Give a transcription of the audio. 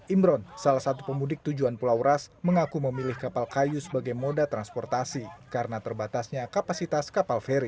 imron salah satu pemudik tujuan pulau ras mengaku memilih kapal kayu sebagai moda transportasi karena terbatasnya kapasitas kapal feri